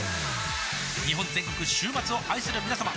日本全国週末を愛するみなさま